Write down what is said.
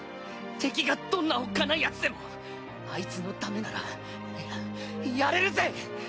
敵がどんなおっかないヤツでもあいつのためならややれるぜ！